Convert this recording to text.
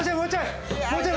もうちょい・・